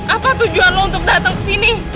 apa tujuan lo untuk dateng kesini